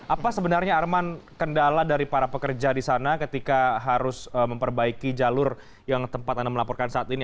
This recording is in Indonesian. apa sebenarnya arman kendala dari para pekerja di sana ketika harus memperbaiki jalur yang tempat anda melaporkan saat ini